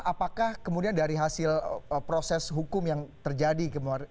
apakah kemudian dari hasil proses hukum yang terjadi